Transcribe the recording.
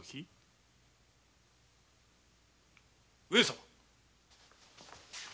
上様。